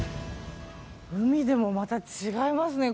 海でもまた違いますね。